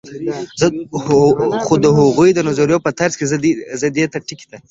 خو د هغوي د نظریو په ترڅ کی زه دې ټکي ته